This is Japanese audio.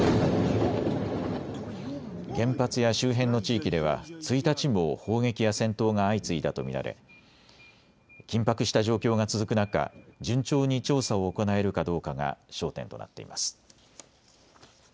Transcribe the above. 原発や周辺の地域では１日も砲撃や戦闘が相次いだと見られ、緊迫した状況が続く中、順調に調査を行えるかどうかが焦点となっています。